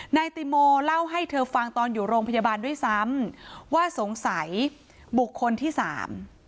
นายติโมเล่าให้เธอฟังตอนอยู่โรงพยาบาลด้วยซ้ำว่าสงสัยบุคคลที่สาม